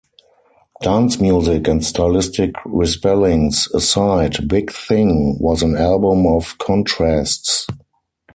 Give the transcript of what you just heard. Dance music and stylistic respellings aside, "Big Thing" was an album of contrasts.